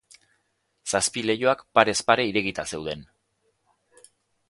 Zazpi leihoak parez pare irekita zeuden.